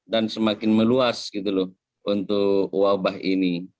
dan semakin meluas untuk wabah ini